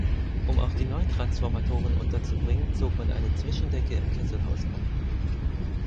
Um auch die neuen Transformatoren unterzubringen zog man eine Zwischendecke im Kesselhaus ein.